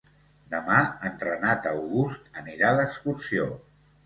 Demà en Renat August anirà d'excursió.